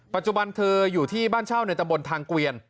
ปัจจุบันเธออยู่ที่บ้านเช่าในตำบลทางเกวียน